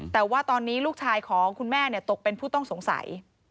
แต่ว่าตอนนี้ลูกชายของคุณแม่ตกเป็นผู้ต้องสงสัย